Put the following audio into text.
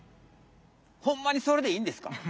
ホンマにそれでいいんですか？